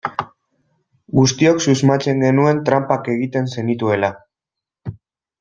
Guztiok susmatzen genuen tranpak egiten zenituela.